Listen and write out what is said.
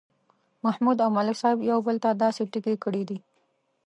محمود او ملک صاحب یو بل ته داسې ټکي کړي دي